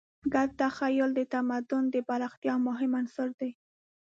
ګډ تخیل د تمدن د پراختیا مهم عنصر دی.